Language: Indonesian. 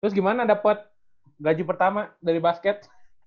terus gimana dapet gaji pertama dari basket